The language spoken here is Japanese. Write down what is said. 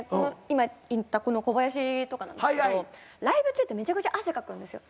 今言ったこの小林とかなんですけどライブ中ってめちゃくちゃ汗かくんですよ。